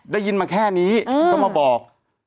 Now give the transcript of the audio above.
ได้ยินมาแค่นี้ก็มาบอก